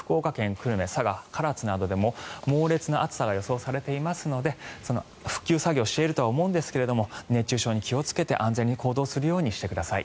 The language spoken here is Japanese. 久留米、佐賀県の唐津などでも、猛烈な暑さが予想されていますので復旧作業をしているとは思うんですが熱中症に気をつけて安全に行動するようにしてください。